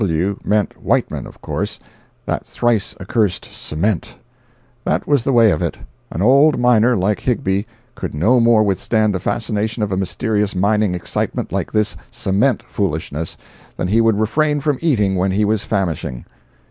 "W." meant Whiteman, of course. That thrice accursed "cement!" That was the way of it. An old miner, like Higbie, could no more withstand the fascination of a mysterious mining excitement like this "cement" foolishness, than he could refrain from eating when he was famishing.